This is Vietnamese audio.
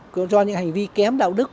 do những hành vi kém đạo đức